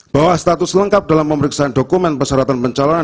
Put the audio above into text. bahwa status lengkap dalam pemeriksaan dokumen persyaratan pencalonan